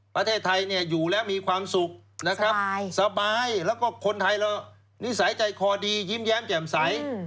ประเทศไทยอยู่แล้วมีความสุขนะครับสบายแล้วก็คนไทยเรานิสัยใจคอดียิ้มแย้มแจ่มใส